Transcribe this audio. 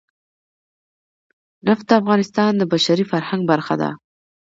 نفت د افغانستان د بشري فرهنګ برخه ده.